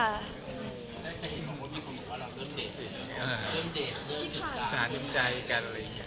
แล้วชื่อเริ่มเดท